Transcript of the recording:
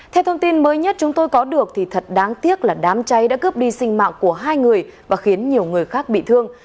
theo thông tin mới nhất chúng tôi có được thì thật đáng tiếc là đám cháy đã cướp đi sinh mạng của hai người và khiến nhiều người khác bị thương